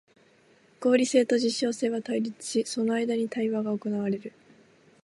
合理性と実証性とは対立し、その間に対話が行われる。